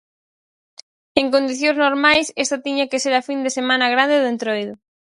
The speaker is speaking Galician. En condicións normais esta tiña que ser a fin de semana grande do Entroido.